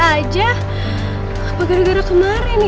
aja apa gara gara kemarin ya